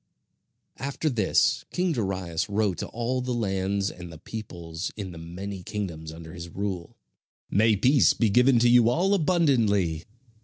After this king Darius wrote to all the lands and the peoples in the many kingdoms under his rule: "May peace be given to you all abundantly!